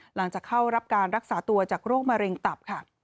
หลังจากเข้ารับการรักษาตัวจากโรคมะเร็งตับค่ะ